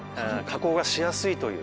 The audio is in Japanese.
加工しやすい。